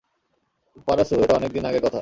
পারাসু, এটা অনেক দিন আগের কথা।